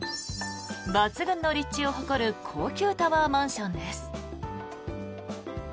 抜群の立地を誇る高級タワーマンションです。